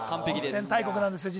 温泉大国なんですよ